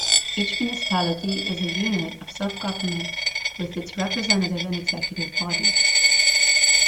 Each municipality is a unit of self-government with its representative and executive bodies.